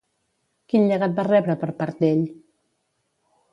Quin llegat va rebre per part d'ell?